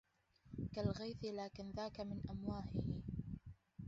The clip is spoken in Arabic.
كالغيث لكن ذاك من أمواهه